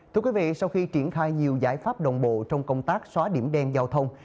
thưa quý vị sau khi triển khai nhiều giải pháp đồng bộ trong công tác xóa điểm đen giao thông